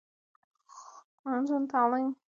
د نجونو تعليم د ټولنې نظم ساتي.